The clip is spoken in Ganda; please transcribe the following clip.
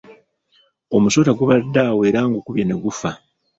Omusota gubadde awo era ngukubye ne gufa.